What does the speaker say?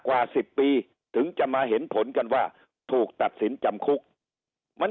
กว่า๑๐ปีถึงจะมาเห็นผลกันว่าถูกตัดสินจำคุกมัน